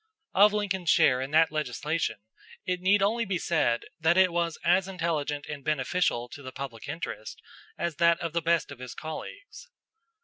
Of Lincoln's share in that legislation, it need only be said that it was as intelligent and beneficial to the public interest as that of the best of his colleagues.